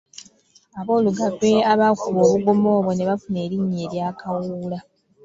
Aboolugave abaakuba obugoma obwo ne bafuna erinnya erya Kawuula.